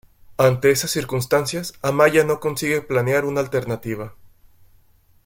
Ante esas circunstancias, Amaia no consigue planear una alternativa.